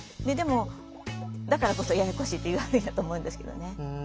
でもだからこそややこしいって言いはるんやと思うんですけどね。